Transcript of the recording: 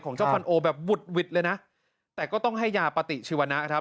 เจ้าฟันโอแบบบุดหวิดเลยนะแต่ก็ต้องให้ยาปฏิชีวนะครับ